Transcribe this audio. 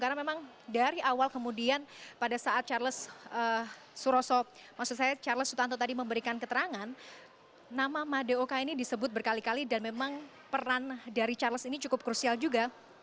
karena memang dari awal kemudian pada saat charles suroso maksud saya charles sutanto tadi memberikan keterangan nama made okama ini disebut berkali kali dan memang peran dari charles ini cukup krusial juga